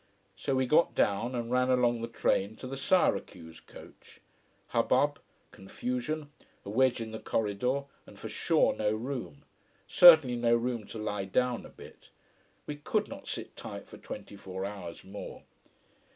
So we got down and ran along the train to the Syracuse coach. Hubbub, confusion, a wedge in the corridor, and for sure no room. Certainly no room to lie down a bit. We could not sit tight for twenty four hours more.